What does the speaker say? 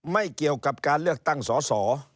ไม่เกี่ยวกับการเลือกตั้งสอสอ